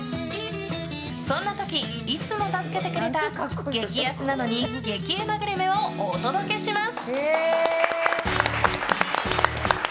そんな時、いつも助けてくれた激安なのに激うまグルメをお届けします。